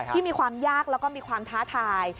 ที่มีความยากแล้วก็มีความท้าทาย